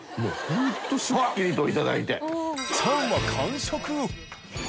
本当すっきりといただいて。